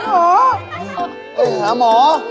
อยากหาหมอ